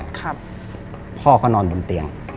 พ่อก็นอนบนเตียง